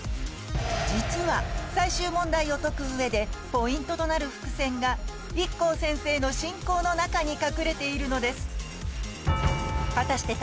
実は最終問題を解くうえでポイントとなる伏線がイッコー先生の進行の中に隠れているのです果たして